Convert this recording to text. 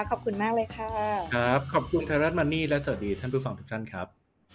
ขอบคุณมากเลยค่ะครับขอบคุณไทยรัฐมันนี่และสวัสดีท่านผู้ฟังทุกท่านครับ